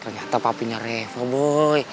ternyata papinya reva boy